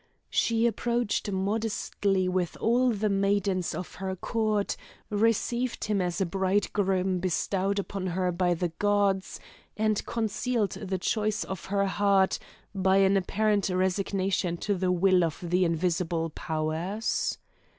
She approached modestly with all the maidens of her court, received him as a bridegroom bestowed upon her by the gods, and concealed the choice of her heart by an apparent resignation to the will of the invisible powers.